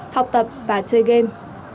học tập và chơi game